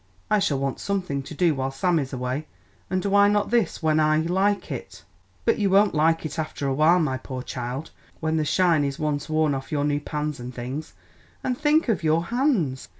"I shall want something to do while Sam is away, and why not this when I like it?" "But you won't like it after a while, my poor child, when the shine is once worn off your new pans and things, and think of your hands!